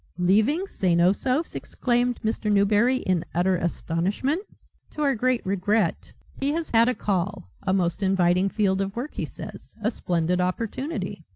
"Leaving St. Osoph's!" exclaimed Mr. Newberry in utter astonishment. "To our great regret. He has had a call a most inviting field of work, he says, a splendid opportunity.